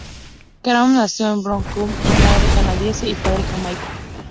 Clarke nació en Vancouver, de madre canadiense y padre jamaicano.